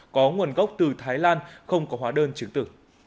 có nguồn gốc từ thái lan không có hóa đơn chứng tử